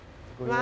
わ。